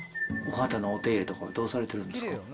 お肌のお手入れとかはどうされてるんですか？